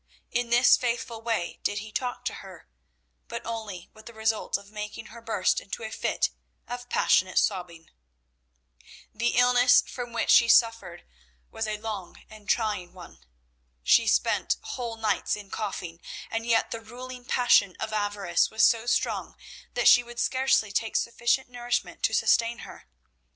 In this faithful way did he talk to her, but only with the result of making her burst into a fit of passionate sobbing. The illness from which she suffered was a long and trying one. She spent whole nights in coughing, and yet the ruling passion of avarice was so strong that she would scarcely take sufficient nourishment to sustain her.